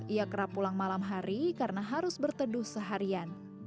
ia kerap pulang malam hari karena harus berteduh seharian